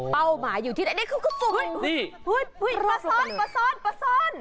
เป้าหมาอยู่ที่ไหนนี่คือสุ่มนี่ปลาซ่อนปลาซ่อนปลาซ่อน